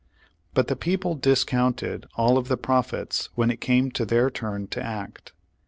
But the people discounted all of the prophets when it came their turn to act.